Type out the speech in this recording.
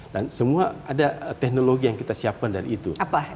dan semua ada teknologi yang kita siapkan dari itu